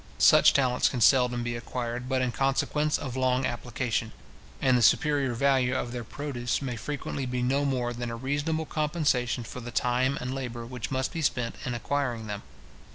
Such talents can seldom be acquired but in consequence of long application, and the superior value of their produce may frequently be no more than a reasonable compensation for the time and labour which must be spent in acquiring them.